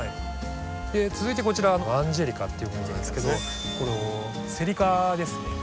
続いてこちらアンジェリカっていうものなんですけどセリ科ですね。